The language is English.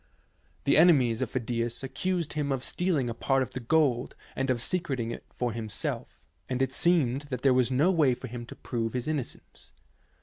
The enemies of Phi dias accused him of stealing a part of the gold and of secreting it for himself, and it seemed that there was no way for him to prove his innocence.